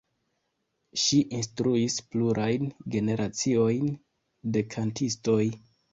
Ŝi instruis plurajn generaciojn de kantistoj.